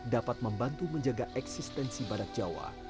dapat membantu menjaga eksistensi badak jawa